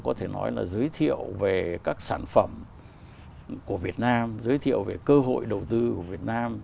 đó là giới thiệu về các sản phẩm của việt nam giới thiệu về cơ hội đầu tư của việt nam